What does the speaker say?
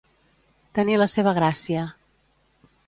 Tenir la seva gràcia.